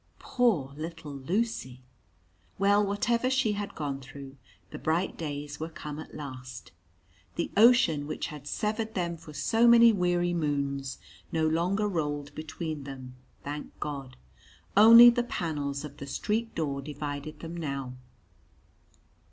Poor little Lucy! Well, whatever she had gone through, the bright days were come at last. The ocean which had severed them for so many weary moons no longer rolled between them thank God, only the panels of the street door divided them now.